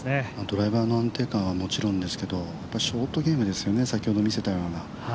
ドライバーの安定感はもちろんですけど、ショートゲームですよね、先ほど見せたような。